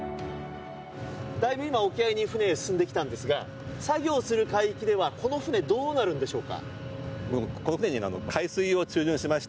だいぶ今沖合に船、進んできたんですが作業する海域ではこの船、どうなるんでしょうか。